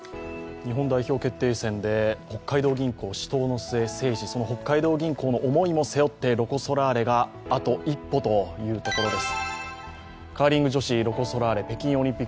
日本代表決定戦で北海道銀行、死闘の末、制し、その北海道銀行の思いも背負ってロコ・ソラーレがあと一歩というところです。